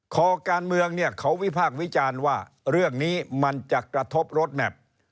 คอการเมืองเขาวิภาควิจารณ์ว่าเรื่องนี้มันจะกระทบโรดแมพ